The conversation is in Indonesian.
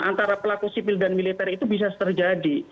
antara pelaku sipil dan militer itu bisa terjadi